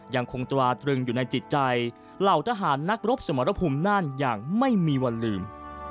ยังคงตราตรึงอยู่ในจิตใจเหล่าทหารนักรบสมรภูมิน่านอย่างไม่มีวันลืม